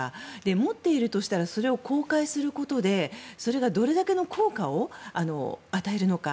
持っているとしたらそれを公開することでそれがどれだけの効果を与えるのか。